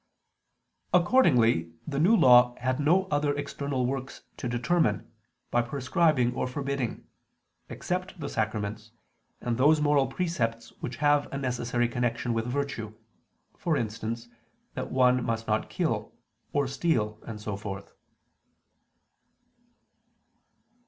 Accordingly the New Law had no other external works to determine, by prescribing or forbidding, except the sacraments, and those moral precepts which have a necessary connection with virtue, for instance, that one must not kill, or steal, and so forth.